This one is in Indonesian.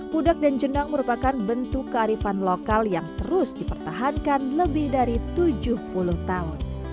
pudak dan jenang merupakan bentuk kearifan lokal yang terus dipertahankan lebih dari tujuh puluh tahun